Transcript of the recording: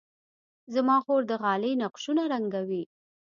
زما خور د غالۍ نقشونه رنګوي.